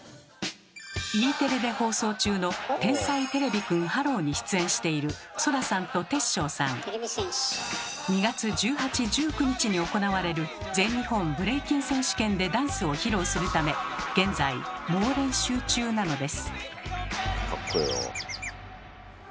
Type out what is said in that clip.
Ｅテレで放送中の「天才てれびくんｈｅｌｌｏ，」に出演している２月１８１９日に行われる「全日本ブレイキン選手権」でダンスを披露するため現在猛練習中なのです。